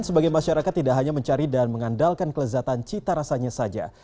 sebagai masyarakat tidak hanya mencari dan mengandalkan kelezatan cita rasanya saja